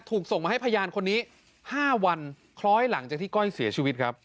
ส่งมาให้พยานคนนี้๕วันคล้อยหลังจากที่ก้อยเสียชีวิตครับ